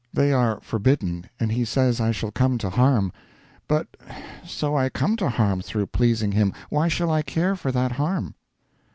They are forbidden, and he says I shall come to harm; but so I come to harm through pleasing him, why shall I care for that harm?